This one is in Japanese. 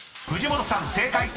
［藤本さん正解！］